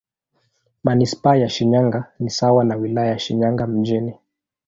Manisipaa ya Shinyanga ni sawa na Wilaya ya Shinyanga Mjini.